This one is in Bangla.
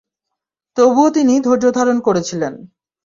তবুও তিনি ধৈর্যধারণ করেছিলেন।